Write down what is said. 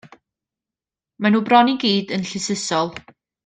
Maen nhw bron i gyd yn llysysol.